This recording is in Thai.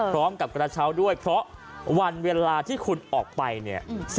กระเช้าด้วยเพราะวันเวลาที่คุณออกไปเนี่ย